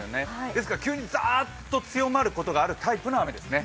ですから急にザーッと強まることがあるタイプの雨ですね。